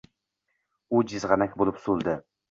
U jizg’anak bo’lib, so’ldi.